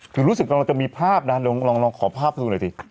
คือรู้สึกกำลังจะมีภาพนะลองขอภาพดูหน่อยสิ